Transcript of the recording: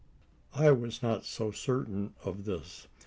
I was not so certain of this.